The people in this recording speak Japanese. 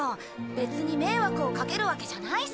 別に迷惑をかけるわけじゃないさ。